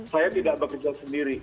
saya tidak bekerja sendiri